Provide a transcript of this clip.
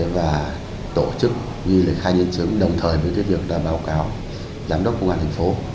và tổ chức ghi lời khai nhân chứng đồng thời với việc báo cáo giám đốc công an thành phố